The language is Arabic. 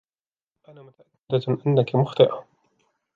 أنا متأكدة أنكِ مخطئة.